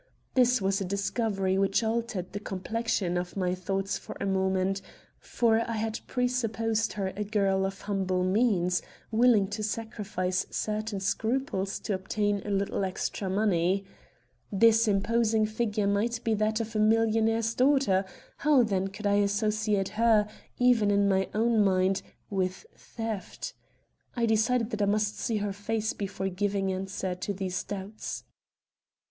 This was a discovery which altered the complexion of my thoughts for a moment; for I had presupposed her a girl of humble means, willing to sacrifice certain scruples to obtain a little extra money. This imposing figure might be that of a millionaire's daughter; how then could I associate her, even in my own mind, with theft? I decided that I must see her face before giving answer to these doubts.